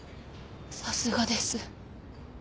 さすがです。